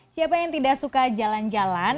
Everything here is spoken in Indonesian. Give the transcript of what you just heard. siapa yang tidak suka jalan jalan